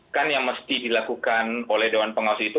kan yang mesti dilakukan oleh dewan pengawas itu